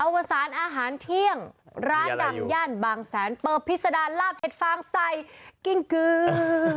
วสารอาหารเที่ยงร้านดังย่านบางแสนเปิดพิษดารลาบเห็ดฟางใส่กิ้งกือ